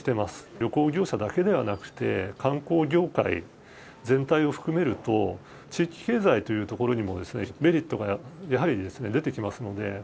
旅行業者だけではなくて、観光業界全体を含めると、地域経済というところにもメリットがやはり出てきますので。